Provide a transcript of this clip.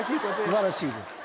素晴らしいです。